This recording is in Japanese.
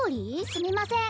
すみません